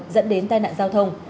dẫn đến tai nạn giao thông